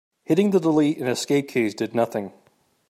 Hitting the delete and escape keys did nothing.